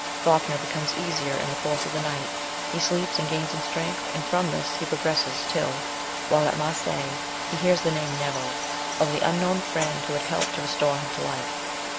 Falkner becomes easier in the course of the night ; he sleeps and gains in strength, and from this he progresses till, while at Marseilles, he hears the name, Neville, of the unknown friend who had helped to restore him to life.